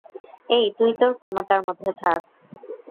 এই তুই তোর ক্ষমতার মধ্যে থাক!